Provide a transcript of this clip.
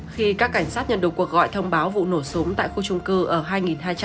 khi các cảnh sát nhận được cuộc gọi thông báo vụ nổ súng tại khu trung cư